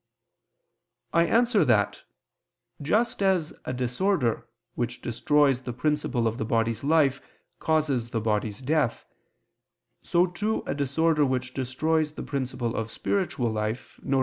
I answer that, Just as a disorder which destroys the principle of the body's life causes the body's death, so too a disorder which destroys the principle of spiritual life, viz.